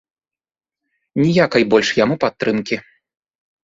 Ніякай больш яму падтрымкі.